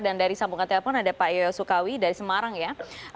dan dari sambungan telepon ada pak yoyo sukawi dari semarang ya